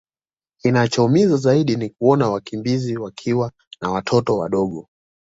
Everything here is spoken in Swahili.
Kinachoumiza zaidi ni kuona wakimbizi wakiwa na watoto wadogo